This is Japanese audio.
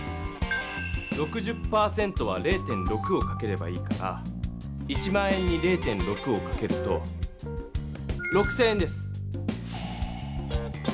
６０％は０．６をかければいいから１００００円に０．６をかけると６０００円です。